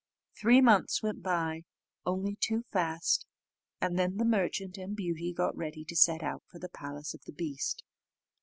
Three months went by, only too fast, and then the merchant and Beauty got ready to set out for the palace of the beast.